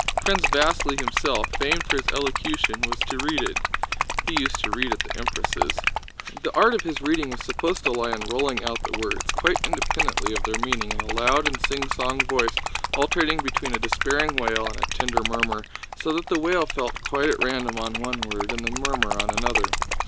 Prince Vasíli himself, famed for his elocution, was to read it. (He used to read at the Empress'.) The art of his reading was supposed to lie in rolling out the words, quite independently of their meaning, in a loud and singsong voice alternating between a despairing wail and a tender murmur, so that the wail fell quite at random on one word and the murmur on another.